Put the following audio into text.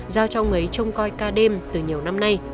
giao cho ông ấy trông coi ca đêm từ nhiều năm nay